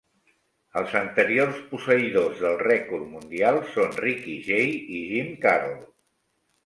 Els anteriors posseïdors del rècord mundial són Ricky Jay i Jim Karol.